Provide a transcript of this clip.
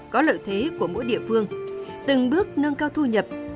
có lợi thế của mỗi địa phương từng bước nâng cao thu nhập